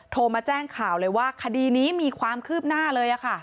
โทรมาแจ้งข่าวเลยว่าคดีนี้มีความคืบหน้าเลย